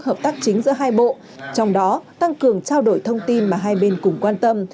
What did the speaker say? hợp tác chính giữa hai bộ trong đó tăng cường trao đổi thông tin mà hai bên cùng quan tâm